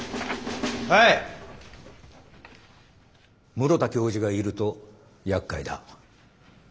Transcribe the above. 室田教授がいるとやっかいだ。